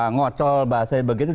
ngocol bahasanya begitu